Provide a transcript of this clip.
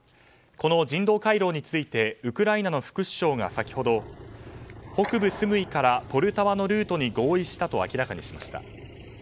この人道回廊についてウクライナの副首相が先ほど、北部スムイからポルタワのルートに合意したと明らかにしました。